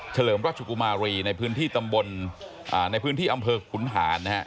เลิมราชกุมารีในพื้นที่ตำบลในพื้นที่อำเภอขุนหารนะฮะ